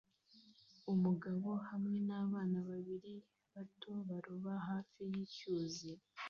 Umugabo hamwe nabana babiri bato baroba hafi yicyuzi